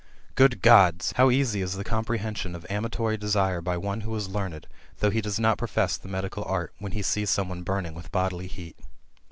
Good Gods! how easy is the comprehension of amatory desire, by one who is learned, though he does not profess the medical art, when he sees some one burning without bodily heat.'